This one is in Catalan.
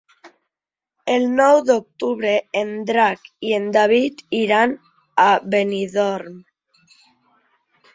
El nou d'octubre en Drac i en David iran a Benidorm.